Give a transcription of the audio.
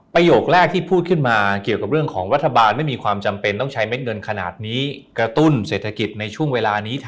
โยคแรกที่พูดขึ้นมาเกี่ยวกับเรื่องของรัฐบาลไม่มีความจำเป็นต้องใช้เม็ดเงินขนาดนี้กระตุ้นเศรษฐกิจในช่วงเวลานี้